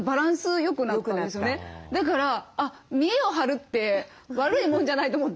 だから見えを張るって悪いもんじゃないと思って。